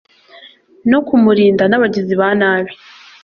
no kumurinda n'abagizi ba nabi.